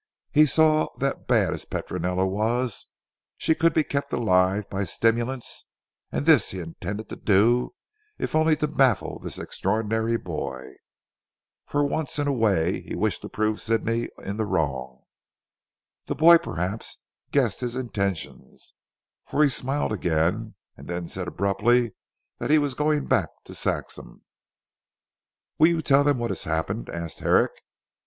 He saw that bad as Petronella was, she could be kept alive by stimulants, and this he intended to do, if only to baffle this extraordinary boy. For once in a way, he wished to prove Sidney in the wrong. The boy perhaps guessed his intentions, for he smiled again, and then said abruptly, that he was going back to Saxham. "Will you tell them what has happened?" asked Herrick.